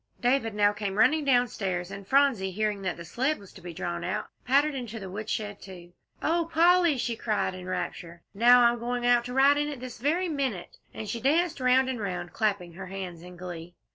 David now came running downstairs, and Phronsie, hearing that the sled was to be drawn out, pattered into the woodshed, too. "Oh, Polly," she cried in rapture, "now I'm going out to ride on it this very minute," and she danced round and round, clapping her hands in glee.